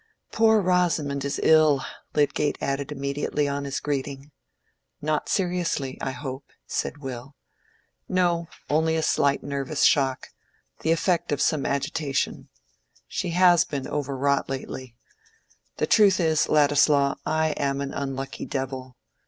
"Poor Rosamond is ill," Lydgate added immediately on his greeting. "Not seriously, I hope," said Will. "No—only a slight nervous shock—the effect of some agitation. She has been overwrought lately. The truth is, Ladislaw, I am an unlucky devil.